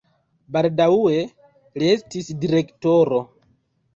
Baldaŭe li estis direktoro.